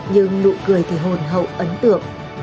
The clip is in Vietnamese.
nhưng nụ cười thì hồn hậu ấn tượng